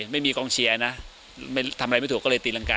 ไม่มีกองเชียร์นะทำอะไรไม่ถูกก็เลยตีรังกา